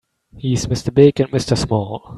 He's Mr. Big and Mr. Small.